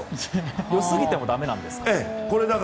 良すぎてもだめなんですか。